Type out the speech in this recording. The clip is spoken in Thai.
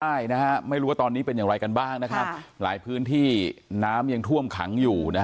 ไม่รู้ว่าตอนนี้เป็นอย่างไรกันบ้างหลายพื้นที่น้ำยังท่วมขังอยู่